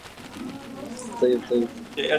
عبد العزيز عميد أكرم أسرة